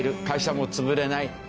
会社も潰れない。